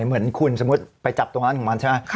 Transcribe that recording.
เหมือนคุณสมมุติไปจับตรงนั้นของมันใช่ไหม